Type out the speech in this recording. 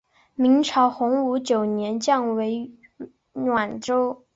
明朝洪武九年降为沅州。